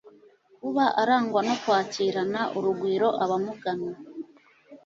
kuba arangwa no kwakirana urugwiro abamugana